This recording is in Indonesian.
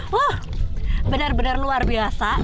wow benar benar luar biasa